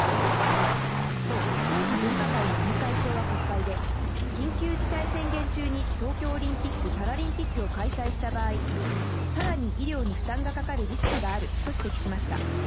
一方、政府分科会の尾身会長は国会で緊急事態宣言中に東京オリンピック・パラリンピックを開催した場合、さらに医療に負担がかかるリスクがあると指摘しました。